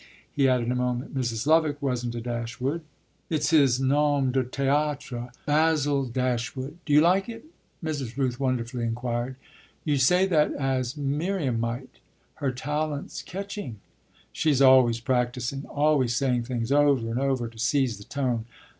he added in a moment. "Mrs. Lovick wasn't a Dashwood." "It's his nom de théâtre Basil Dashwood. Do you like it?" Mrs. Rooth wonderfully inquired. "You say that as Miriam might. Her talent's catching!" "She's always practising always saying things over and over to seize the tone.